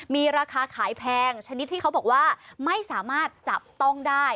มีราคาขายแพงชนิดที่เขาบอกว่าไม่สามารถจับต้องได้